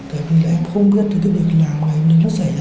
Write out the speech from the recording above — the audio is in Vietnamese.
tại vì là em không biết cái việc làm của em nếu nó xảy ra